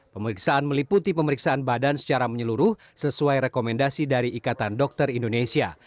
pemeriksaan meliputi pemeriksaan badan secara menyeluruh sesuai rekomendasi dari ikatan dokter indonesia